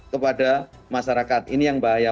kepada masyarakat ini yang bahaya